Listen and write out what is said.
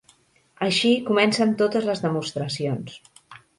Així comencen totes les demostracions.